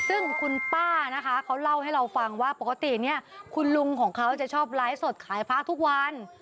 ซึ่งคุณป้านะคะเขาเล่าให้เราฟังว่าปกติเนี่ยคุณลุงของเขาจะชอบไลฟ์สดขายพระทุกวัน